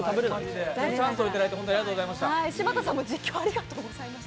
チャンスをいただいてありがとうございました。